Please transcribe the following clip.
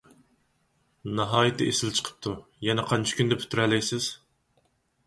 ناھايىتى ئېسىل چىقىپتۇ. يەنە قانچە كۈندە پۈتتۈرەلەيسىز؟